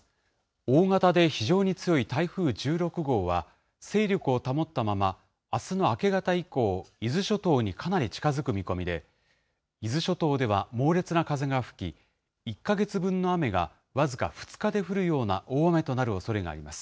大型で非常に強い台風１６号は、勢力を保ったまま、あすの明け方以降、伊豆諸島にかなり近づく見込みで、伊豆諸島では猛烈な風が吹き、１か月分の雨が僅か２日で降るような大雨となるおそれがあります。